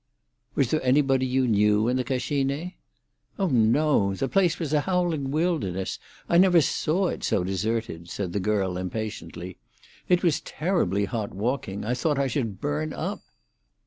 "Was there anybody you knew in the Cascine?" "Oh no; the place was a howling wilderness. I never saw it so deserted," said the girl impatiently. "It was terribly hot walking. I thought I should burn up."